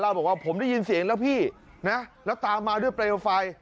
เล่าบอกว่าผมได้ยินเสียงแล้วพี่แล้วตามมาด้วยประโยคไฟ